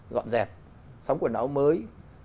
gọn dẹp sống quần áo mới